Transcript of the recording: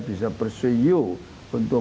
bisa persuade you untuk